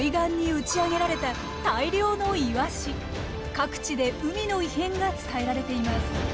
各地で海の異変が伝えられています。